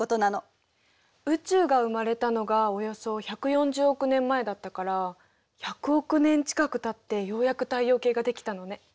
宇宙が生まれたのがおよそ１４０億年前だったから１００億年近くたってようやく太陽系ができたのね。